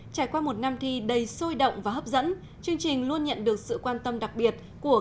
trải qua một năm thi đầy sôi động và hấp dẫn chương trình luôn nhận được sự quan tâm đặc biệt của